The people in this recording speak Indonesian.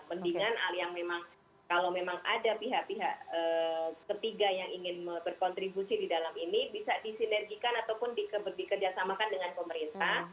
mendingan hal yang memang kalau memang ada pihak pihak ketiga yang ingin berkontribusi di dalam ini bisa disinergikan ataupun dikerjasamakan dengan pemerintah